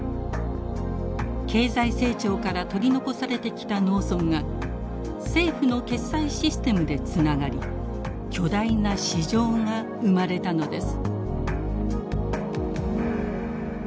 経済成長から取り残されてきた農村が政府の決済システムでつながり巨大な市場が生まれたのです。